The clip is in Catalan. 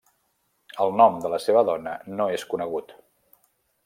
El nom de la seva dona no és conegut.